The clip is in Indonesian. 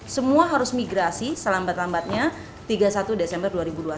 semua harus migrasi selambat lambatnya tiga puluh satu desember dua ribu dua puluh satu